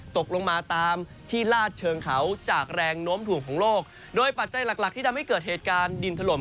ตกลงมาตามที่ลาดเชิงเขาจากแรงโน้มถ่วงของโลกโดยปัจจัยหลักหลักที่ทำให้เกิดเหตุการณ์ดินถล่ม